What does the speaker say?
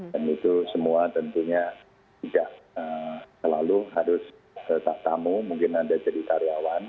dan itu semua tentunya tidak selalu harus tamu mungkin ada cerita reawan